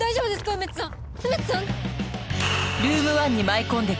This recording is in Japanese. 梅津さん！？